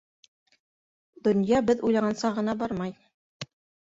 - Донъя беҙ уйлағанса ғына бармай.